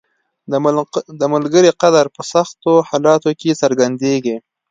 • د ملګري قدر په سختو حالاتو کې څرګندیږي.